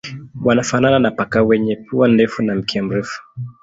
Wanafanana na paka wenye pua ndefu na mkia mrefu.